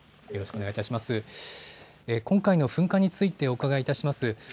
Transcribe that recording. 今回の噴火についてお伺いします。